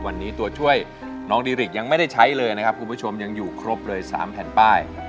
วันนี้ตัวช่วยน้องดิริกยังไม่ได้ใช้เลยนะครับคุณผู้ชมยังอยู่ครบเลย๓แผ่นป้าย